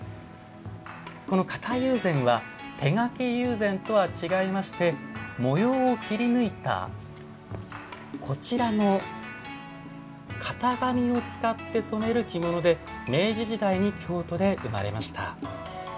この型友禅は手描き友禅とは違いまして模様を切り抜いたこちらの型紙を使って染める着物で明治時代に京都で生まれました。